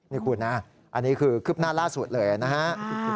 นี่คุณนะอันนี้คือคืบหน้าล่าสุดเลยนะฮะ